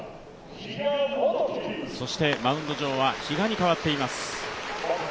マウンド上は比嘉に代わっています。